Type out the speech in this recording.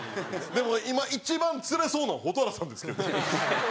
でも今一番釣れそうなの蛍原さんですけどね。